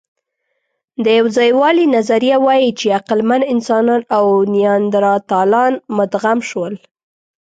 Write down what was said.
د یوځایوالي نظریه وايي، چې عقلمن انسانان او نیاندرتالان مدغم شول.